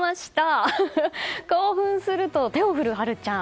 興奮すると手を振る晴ちゃん。